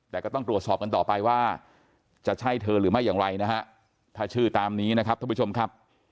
แต่ก็ต้องตรวจสอบกันต่อไปว่าจะใช่เธอหรือไม่อย่างไรนะฮะ